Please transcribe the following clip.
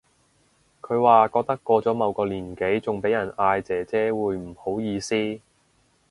佢話覺得過咗某個年紀仲俾人嗌姐姐會唔好意思